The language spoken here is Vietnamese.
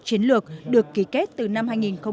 chiến lược được ký kết từ năm hai nghìn một mươi